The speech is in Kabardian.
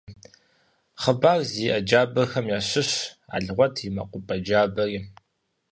Хъыбар зиӏэ джабэхэм ящыщщ «Алгъуэт и мэкъупӏэ джабэри».